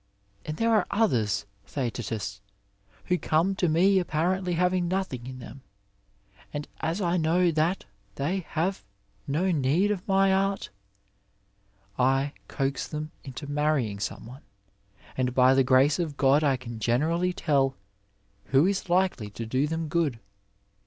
And there are others, Theetetus, who come to me apparently having nothing in them ; and as I know that they have no need of my art, I coax them into manying some one, and by the grace of God I can generally tell who is likely to do them good.